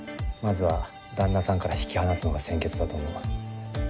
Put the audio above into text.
まずは旦那さんから引き離すのが先決だと思う。